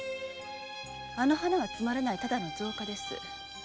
あの花はつまらないただの造花です。